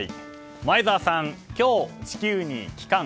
前澤さん、今日地球に帰還。